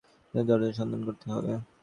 ওঁর দেরাজ তোমাকে সন্ধান করতে হবে।